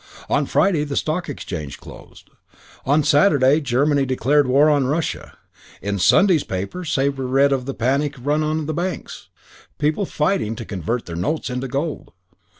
On Friday the Stock Exchange closed. On Saturday Germany declared war on Russia. In Sunday's papers Sabre read of the panic run on the banks, people fighting to convert their notes into gold.